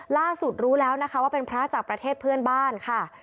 ล่าสุดรู้แล้วว่าเป็นพระจักรประเทศเพื่อนบ้านค่ะ